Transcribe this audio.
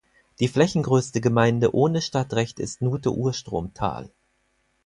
Die flächengrößte Gemeinde ohne Stadtrecht ist Nuthe-Urstromtal.